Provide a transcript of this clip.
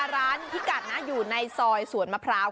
พี่กัดนะอยู่ในซอยสวนมะพร้าว